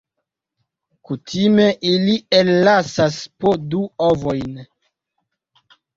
Kutime ili ellasas po du ovojn.